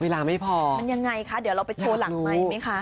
ไม่พอมันยังไงคะเดี๋ยวเราไปโชว์หลังใหม่ไหมคะ